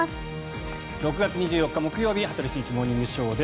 ６月２４日木曜日「羽鳥慎一モーニングショー」。